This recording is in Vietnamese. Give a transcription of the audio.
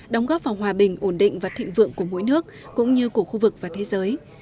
đóng góp vào hòa bình ổn định và thịnh vượng của mỗi nước cũng như của khu vực và thế giới